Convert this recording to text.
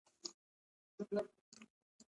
کېله د زړه د سوځېدو مخه نیسي.